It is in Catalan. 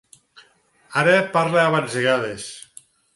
Ara parla a batzegades.